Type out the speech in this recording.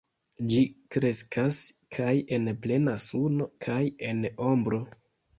Ĝi kreskas kaj en plena suno kaj en ombro.